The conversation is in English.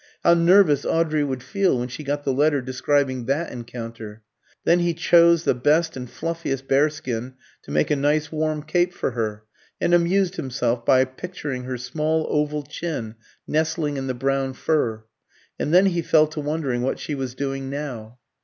How nervous Audrey would feel when she got the letter describing that encounter! Then he chose the best and fluffiest bearskin to make a nice warm cape for her, and amused himself by picturing her small oval chin nestling in the brown fur. And then he fell to wondering what she was doing now.